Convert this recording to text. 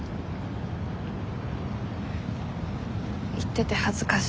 言ってて恥ずかしい。